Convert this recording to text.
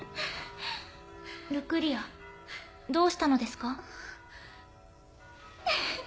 ルクリアどうしたのですか？